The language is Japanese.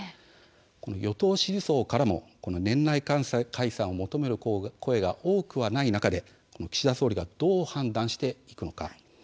与党支持層からも年内解散を求める声が多くはない中で岸田総理がどう判断していくのか。